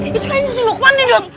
dot itu kan si lukman nih dot